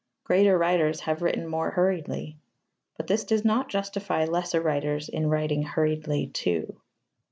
Greater writers have written more hurriedly. But this does not justify lesser writers in writing hurriedly too.